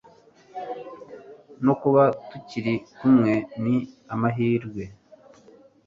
no kuba tukiri kumwe ni amamhirwe